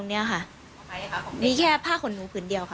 ของใครค่ะของเด็กนี้ค่ะนี่แค่ผ้าขนหนูผืนเดียวค่ะ